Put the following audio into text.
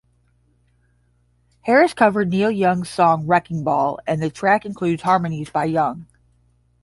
Harris covered Neil Young's song "Wrecking Ball", and the track includes harmonies by Young.